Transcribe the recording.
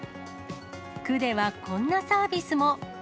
区ではこんなサービスも。